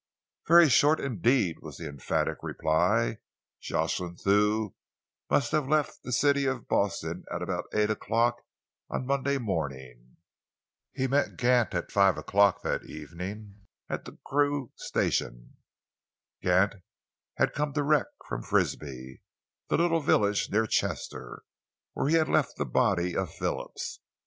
"Very short indeed," was the emphatic reply. "Jocelyn Thew must have left the City of Boston at about eight o'clock on Monday morning. He met Gant at five o'clock that evening at Crewe station. Gant had come direct from Frisby, the little village near Chester where he had left the body of Phillips.